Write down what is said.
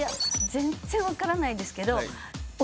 全然分からないですけどはあ。